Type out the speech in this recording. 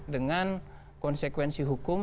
dengan konsekuensi hukum